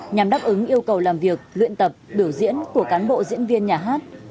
nhằm đáp ứng yêu cầu làm việc luyện tập biểu diễn của cán bộ diễn viên nhà hát